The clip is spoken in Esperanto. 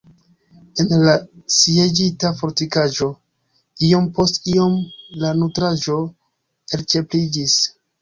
En la sieĝita fortikaĵo iom post iom la nutraĵo elĉerpiĝis.